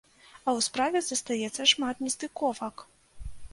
А ў справе застаецца шмат нестыковак!